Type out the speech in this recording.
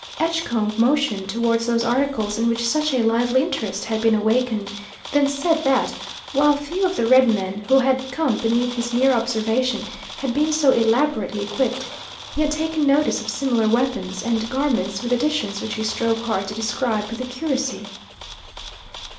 Edgecombe motioned towards those articles in which such a lively interest had been awakened, then said that, while few of the red men who had come beneath his near observation had been so elaborately equipped, he had taken notice of similar weapons and garments, with additions which he strove hard to describe with accuracy.